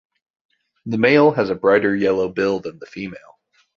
The male has a brighter yellow bill than the female.